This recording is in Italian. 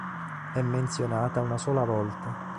È menzionata una sola volta.